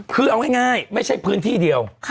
คือเอาง่ายไม่ใช่พื้นที่เดียว